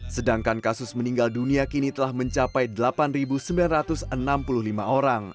sedangkan kasus meninggal dunia kini telah mencapai delapan sembilan ratus enam puluh lima orang